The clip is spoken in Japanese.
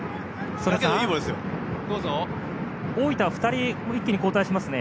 曽根さん、大分は２人一気に交代しますね。